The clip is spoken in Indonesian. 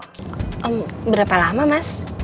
ehm berapa lama mas